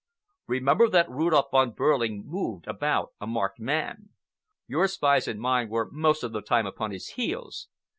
"Remember that Rudolph Von Behrling moved about a marked man. Your spies and mine were most of the time upon his heels.